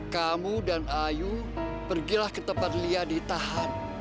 kamu dan ayu pergilah ke tempat lia ditahan